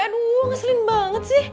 aduh ngeselin banget sih